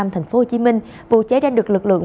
tp hcm vụ cháy đang được lực lượng